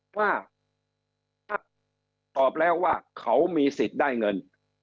ถ้าตอบแล้วว่าเขามีสิทธิ์ได้เงิน